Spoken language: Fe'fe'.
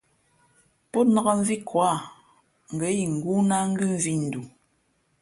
Pō nāk mvi ko ǎ, ngα̌ ingóó ná ngʉ mvī ndoo.